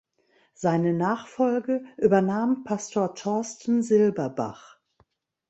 Seine Nachfolge übernahm Pastor Torsten Silberbach.